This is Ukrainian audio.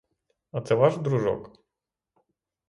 А це ваш дружок?